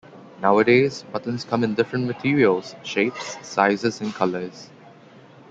Nowadays, buttons come in different materials, shapes sizes and colors.